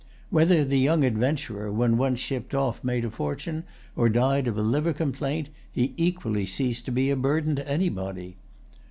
Whether the young adventurer, when once shipped off, made a fortune, or died of a liver complaint, he equally ceased to be a burden to anybody.